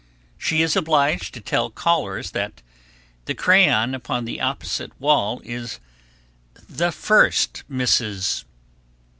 She is obliged to tell callers that the crayon upon the opposite wall is "the first Mrs.